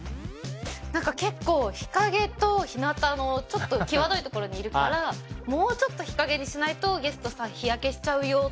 何か結構日陰と日なたのちょっと際どいところにいるからもうちょっと日陰にしないとそっち？